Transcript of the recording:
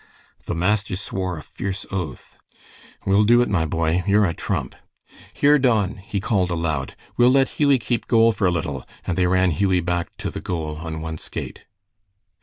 The master swore a fierce oath. "We'll do it, my boy. You're a trump. Here, Don," he called aloud, "we'll let Hughie keep goal for a little," and they ran Hughie back to the goal on one skate.